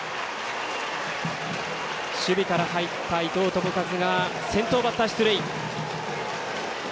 守備から入った伊藤智一が先頭バッター、出塁。